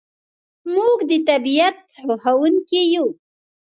موږ د طبیعت خوښونکي یو.